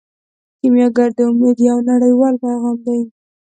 کیمیاګر د امید یو نړیوال پیغام دی.